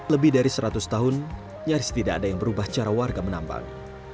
lebih dari seratus tahun nyaris tidak ada yang berubah cara warga menambang